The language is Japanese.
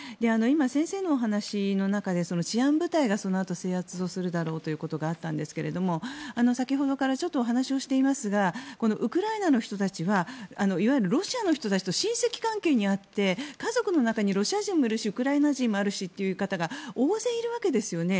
今、先生のお話の中で治安部隊がそのあと制圧するだろうということがあったんですけれども先ほどからお話をしていますがウクライナの人たちはいわゆるロシアの人たちと親戚関係にあって家族の中にロシア人もいるしウクライナ人もいるしという方が大勢いるわけです。